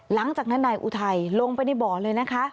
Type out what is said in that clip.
หลังจากนั้นนายอุทัยลงไปในบ่อเลยนะคะ